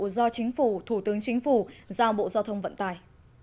do chính phủ thủ tướng chính phủ giao bộ giao thông vận tải